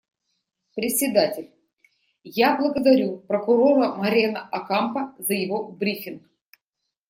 Председатель: Я благодарю Прокурора Морено Окампо за его брифинг.